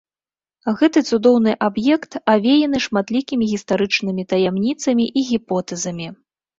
Гэты цудоўны аб'ект авеяны шматлікімі гістарычнымі таямніцамі і гіпотэзамі.